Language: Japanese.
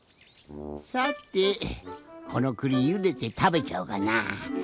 さてこのくりゆでてたべちゃおうかな。